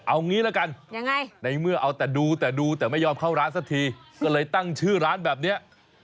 เอางี้ละกันในเมื่อเอาแต่ดูแต่ดูแต่ไม่ยอมเข้าร้านสักทีก็เลยตั้งชื่อร้านแบบนี้